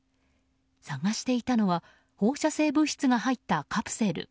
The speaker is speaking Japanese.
探していたのは放射性物質が入ったカプセル。